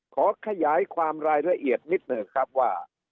ขอขยายความรายละเอียดนิดหนึ่งครับว่า